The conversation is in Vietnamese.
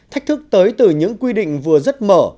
thách thức tới từ những quy định vừa rất mở